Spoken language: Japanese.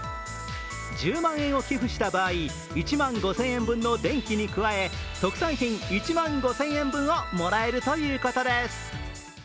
１０万円を寄付した場合、１万５０００円分の電気に加え特産品１万５０００円分をもらえるということです。